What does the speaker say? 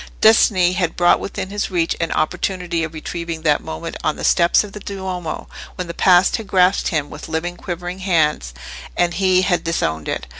Destiny had brought within his reach an opportunity of retrieving that moment on the steps of the Duomo, when the Past had grasped him with living quivering hands, and he had disowned it.